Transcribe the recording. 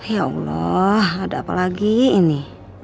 ya allah ada apa lagi ini